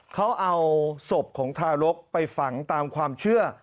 เขาเอาศพของทารกไปฝังตามความเชื่อ